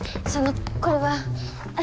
そのこれは。